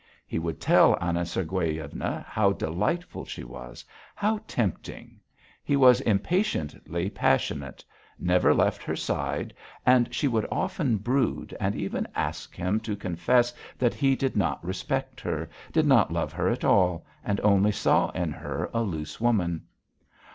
He would tell Anna Sergueyevna how delightful she was, how tempting. He was impatiently passionate, never left her side, and she would often brood, and even asked him to confess that he did not respect her, did not love her at all, and only saw in her a loose woman.